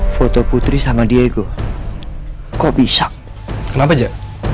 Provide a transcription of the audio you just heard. foto putri sama diego kok bisa kenapa ja